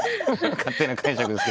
勝手な解釈です。